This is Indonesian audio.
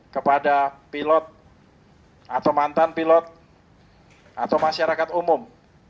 kepada pilot atau mantan pilot atau masyarakat umum